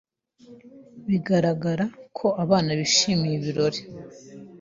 Bigaragara ko abana bishimira ibirori.